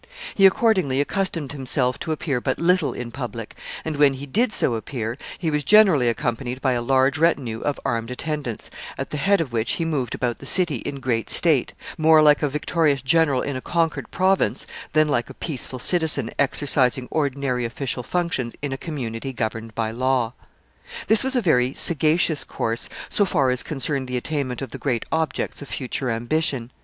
He accordingly accustomed himself to appear but little in public, and, when he did so appear, he was generally accompanied by a large retinue of armed attendants, at the head of which he moved about the city in great state, more like a victorious general in a conquered province than like a peaceful citizen exercising ordinary official functions in a community governed by law. This was a very sagacious course, so far as concerned the attainment of the great objects of future ambition.